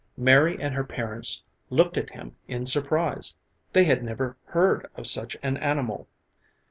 Mary and her parents looked at him in surprise. They had never heard of such an animal.